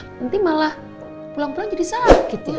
nanti malah pulang pulang jadi sakit ya